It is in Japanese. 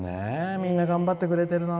みんな頑張ってくれてるな。